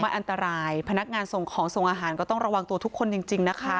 อันตรายพนักงานส่งของส่งอาหารก็ต้องระวังตัวทุกคนจริงนะคะ